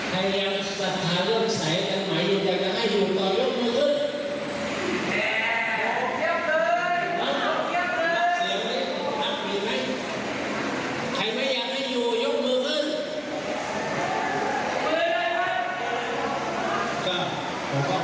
จูยกมือขึ้น